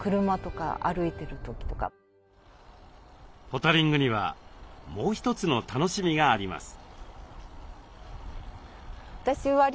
ポタリングにはもう一つの楽しみがあります。